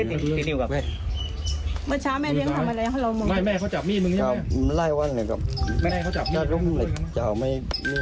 ตึงกับเขาก็หมายกับพุ่งเต้นหมายตรงนั้น